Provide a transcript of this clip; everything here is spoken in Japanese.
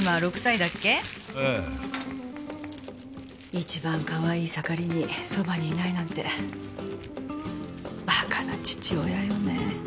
一番かわいい盛りにそばにいないなんて馬鹿な父親よね。